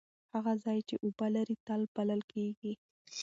هغه ځای چې اوبه لري تل بلل کیږي.